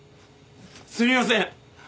すみません！